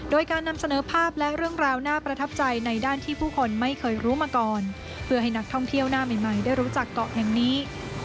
โดยการนำเสนอภาพและเรื่องราวน่าประทับใจในด้านที่ผู้คนไม่เคยรู้มาก่อนเพื่อให้นักท่องเที่ยวหน้าใหม่ได้รู้จักเกาะแห่งนี้